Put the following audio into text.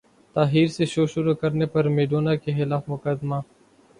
تاخیر سے شو شروع کرنے پر میڈونا کے خلاف مقدمہ